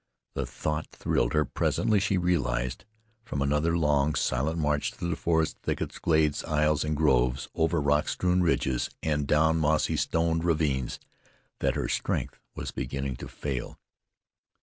The thought thrilled her. Presently she realized, from another long, silent march through forest thickets, glades, aisles, and groves, over rock strewn ridges, and down mossy stoned ravines, that her strength was beginning to fail.